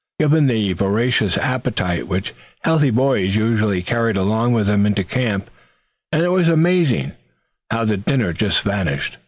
Given the voracious appetites which healthy boys usually carry along with them into camp, and it was amazing how this mess vanished.